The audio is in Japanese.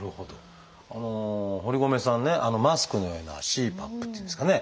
堀米さんねマスクのようなＣＰＡＰっていうんですかね